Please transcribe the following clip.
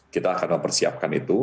kita akan mempersiapkan itu